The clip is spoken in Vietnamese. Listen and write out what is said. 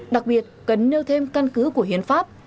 đặc biệt cần nêu thêm căn cứ của hiến pháp